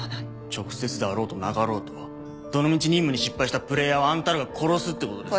直接であろうとなかろうとどのみち任務に失敗したプレイヤーはあんたらが殺すってことですね。